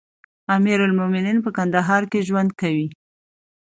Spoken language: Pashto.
امير المؤمنين په کندهار کې ژوند کوي.